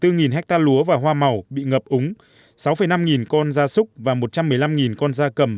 chín mươi sáu bốn nghìn hecta lúa và hoa màu bị ngập úng sáu năm nghìn con da súc và một trăm một mươi năm nghìn con da cầm